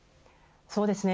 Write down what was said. そうです。